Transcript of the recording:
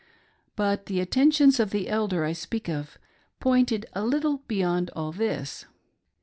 But the atten tions of the elder I speak of pointed a little beyond all this.